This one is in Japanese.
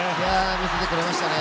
見せてくれましたね。